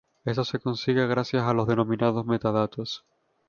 Esto se consigue gracias a los denominados metadatos.